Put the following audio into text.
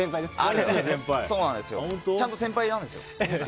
ちゃんと先輩なんですよ。